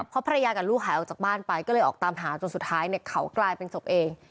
เพราะภรรยากับลูกหายออกจากบ้านไปก็เลยออกตามหาจนสุดท้ายเขากลายเป็นศพเอง